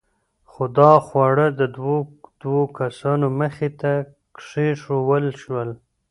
خو دا خواړه د دوو دوو کسانو مخې ته کېښوول شول.